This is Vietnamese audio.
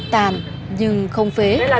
tàn nhưng không phế